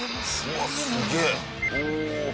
うわっすげえ。